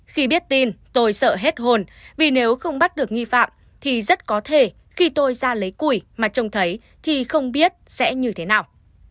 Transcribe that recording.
khi biết tin tôi sợ hết hồn vì nếu không bắt được nghi phạm thì rất có thể khi tôi ra lấy củi mà trông thấy thì không biết sẽ như thế nào